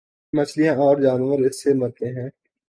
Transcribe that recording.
مچھلیاں اور جانور اس سے مرتے ہیں۔